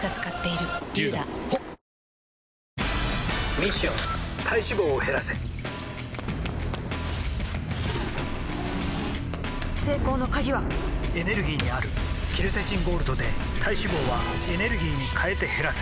ミッション体脂肪を減らせ成功の鍵はエネルギーにあるケルセチンゴールドで体脂肪はエネルギーに変えて減らせ「特茶」